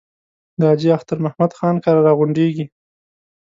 د حاجي اختر محمد خان کره را غونډېږي.